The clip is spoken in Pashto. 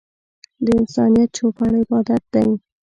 د انسانيت چوپړ عبادت دی.